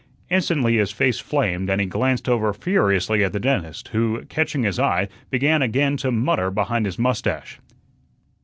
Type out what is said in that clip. Instantly his face flamed and he glanced over furiously at the dentist, who, catching his eye, began again to mutter behind his mustache.